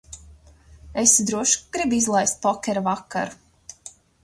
Esi drošs, ka gribi izlaist pokera vakaru?